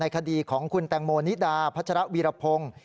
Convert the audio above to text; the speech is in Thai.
คดีของคุณแตงโมนิดาพัชรวีรพงศ์